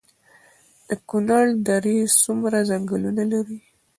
د کونړ درې څومره ځنګلونه لري؟